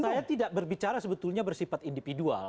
saya tidak berbicara sebetulnya bersifat individual